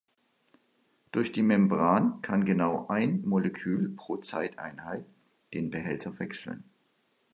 Durch die Membran kann genau ein Molekül pro Zeiteinheit den Behälter wechseln.